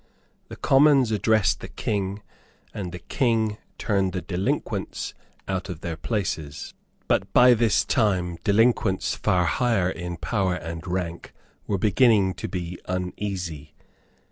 The Commons addressed the King; and the King turned the delinquents out of their places. But by this time delinquents far higher in power and rank were beginning to be uneasy.